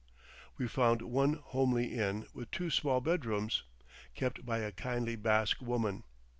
We found one homely inn with two small bedrooms, kept by a kindly Basque woman.